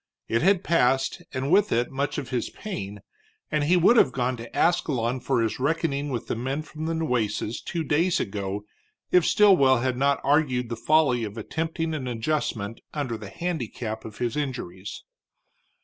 It had passed, and with it much of his pain, and he would have gone to Ascalon for his reckoning with the men from the Nueces two days ago if Stilwell had not argued the folly of attempting an adjustment under the handicap of his injuries.